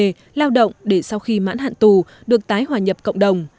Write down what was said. họ được giao động để sau khi mãn hạn tù được tái hòa nhập cộng đồng